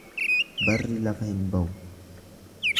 Barri lafa hin bawu.